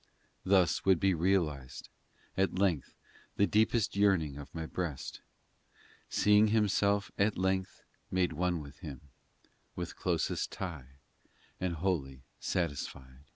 XII Thus would be realised, At length the deepest yearning of my breast, Seeing myself at length made one with Him With closest tie and wholly satisfied